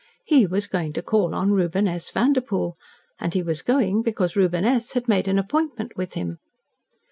He was going to call on Reuben S. Vanderpoel, and he was going because Reuben S. had made an appointment with him.